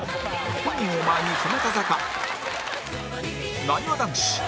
本人を前に日向坂なにわ男子